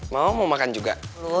mama mau makan juga